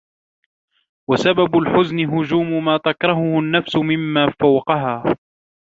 وَسَبَبُ الْحُزْنِ هُجُومُ مَا تَكْرَهُهُ النَّفْسُ مِمَّنْ فَوْقَهَا